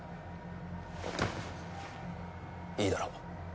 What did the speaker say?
いいだろう。